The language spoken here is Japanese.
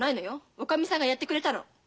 おかみさんがやってくれたの。